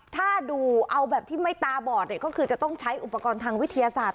ถ้าดูเอาแบบที่ไม่ตาบอดเนี่ยก็คือจะต้องใช้อุปกรณ์ทางวิทยาศาสต